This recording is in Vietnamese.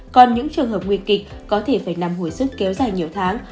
còn những trường hợp nguy kịch có thể phải nằm hồi sức kéo dài nhiều tháng